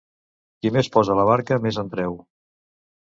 Qui més posa a la barca, més en treu.